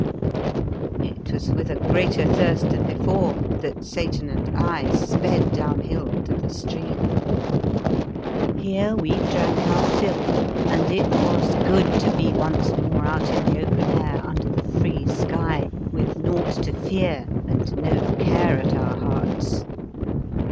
It was with a greater thirst than be fore that Satan and I sped downhill to the stream. Here we drank our fill, and it was good to be once more out in the open air under the free sky, with naught to fear and no care at our hearts.